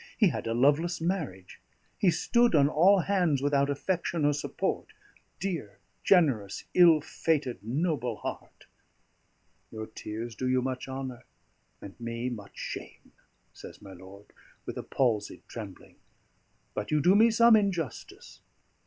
He had a loveless marriage. He stood on all hands without affection or support dear, generous, ill fated, noble heart!" "Your tears do you much honour and me much shame," says my lord, with a palsied trembling. "But you do me some injustice.